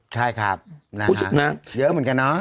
ใช่ครับผู้ชนะเยอะเหมือนกันเนาะ